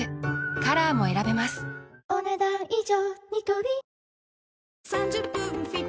カラーも選べますお、ねだん以上。